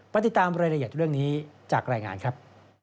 ติดตามรายละเอียดเรื่องนี้จากรายงานครับ